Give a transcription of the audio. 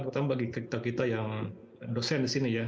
terutama bagi kita kita yang dosen di sini ya